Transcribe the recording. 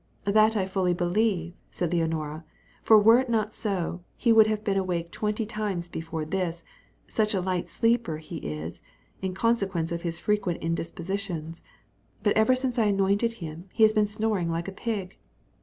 "That I fully believe," said Leonora; "for were it not so, he would have been awake twenty times before this, such a light sleeper he is, in consequence of his frequent indispositions; but ever since I anointed him, he has been snoring like a pig."